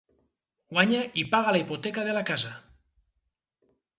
Guanya i paga la hipoteca de la casa.